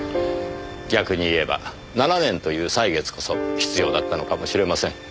逆に言えば７年という歳月こそ必要だったのかもしれません。